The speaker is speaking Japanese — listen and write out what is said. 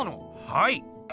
はい。